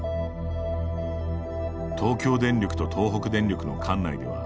東京電力と東北電力の管内では